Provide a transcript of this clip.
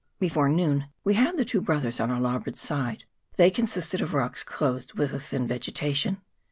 Before noon we had the Two Brothers on our larboard side : they consisted of rocks clothed with a thin vegetation.